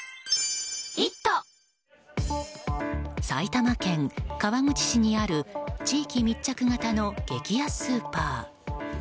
埼玉県川口市にある地域密着型の激安スーパー。